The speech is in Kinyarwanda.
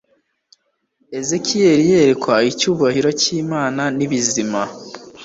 ezekiyeli yerekwa icyubahiro cy imana n ibizima